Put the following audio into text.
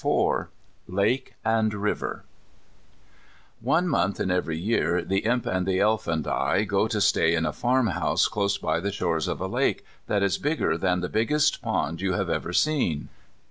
IV LAKE AND RIVER One month in every year the Imp and the Elf and I go to stay in a farmhouse close by the shores of a lake, that is bigger than the biggest pond you have ever seen.